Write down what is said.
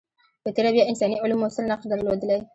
په تېره بیا انساني علوم موثر نقش درلودلی.